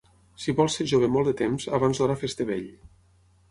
Si vols ser jove molt de temps, abans d'hora fes-te vell.